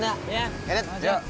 iya det yuk